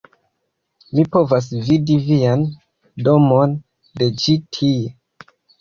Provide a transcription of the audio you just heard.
mi povas vidi vian domon de ĉi-tie!